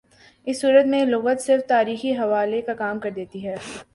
اس صورت میں لغت صرف تاریخی حوالے کا کام دیتی ہے۔